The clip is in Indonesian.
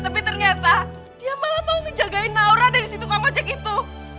tapi ternyata dia malah mau ngejagain naura dari situ kamu cek itu